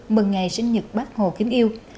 mừng ngày sinh nhật bác hồ kiếm yêu